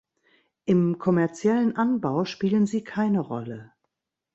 Im kommerziellen Anbau spielen sie keine Rolle.